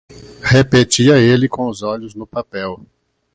Repetia ele com os olhos no papel.